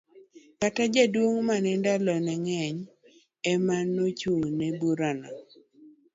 Kata, jaduong mane ndalo ne ngeny emane ochung' ne bura no.